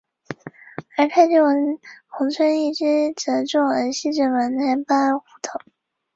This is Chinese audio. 他们的后代皆冠以伦嫩贝格男爵或女男爵的称号。